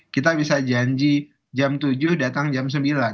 kita bisa janji jam tujuh datang jam sembilan